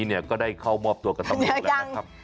อย่างนี้เนี่ยก็ได้เข้ามอบตัวกันต่อมาแล้วนะครับ